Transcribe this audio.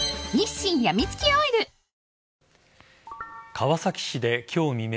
川崎市で今日未明